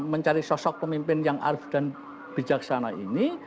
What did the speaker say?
mencari sosok pemimpin yang arif dan bijaksana ini